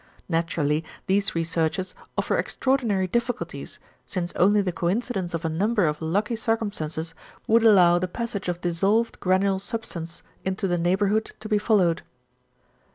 Naturally these researches offer extraordinary difficulties since only the coincidence of a number of lucky circumstances would allow the passage of dissolved granule substance into the neighbourhood to be followed.